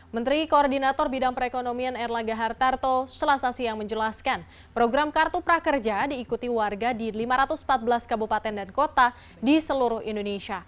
menteri koordinator bidang perekonomian erlangga hartarto selasa siang menjelaskan program kartu prakerja diikuti warga di lima ratus empat belas kabupaten dan kota di seluruh indonesia